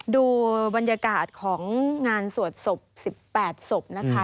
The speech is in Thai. ดูบรรยากาศของงานสวดศพ๑๘ศพนะคะ